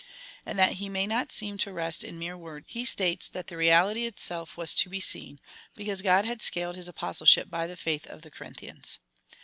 And that he may not seem to rest in mere words, he states that tlie re ality itself was to be seen,^ because God had sealed his Apostleship by the faith of the Corinthians.